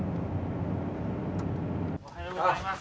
おはようございます。